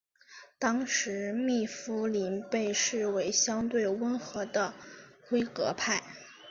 当时密夫林被视为相对温和的辉格派。